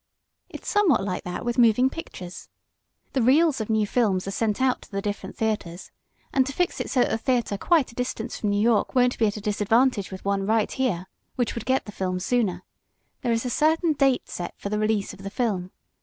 "It's somewhat like that with moving pictures. The reels of new plays are sent out to the different theaters, and to fix it so a theater quite a distance from New York won't be at a disadvantage with one right here, which would get the film sooner, there is a certain date set for the release of the film.